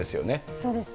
そうですね。